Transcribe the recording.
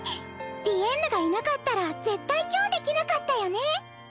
リエンヌがいなかったら絶対今日できなかったよね。